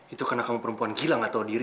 itu karena kamu perempuan gila gak tau diri